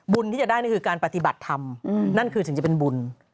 ที่จะได้นี่คือการปฏิบัติธรรมนั่นคือสิ่งจะเป็นบุญ